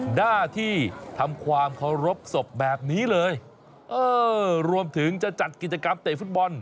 หน้าที่ทำความเคารพศพแบบนี้เลยเออรวมถึงจะจัดกิจกรรมเตะฟุตบอล